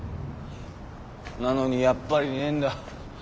なのにやっぱりねーんだ。